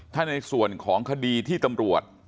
ถ้าในส่วนของคดีที่ตำรวจ